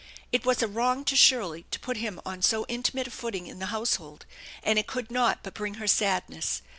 It was a wrong to Shirley to put him on so intimate a footing in the household, and it could not but bring her sadness.